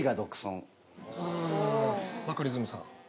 バカリズムさん２つ。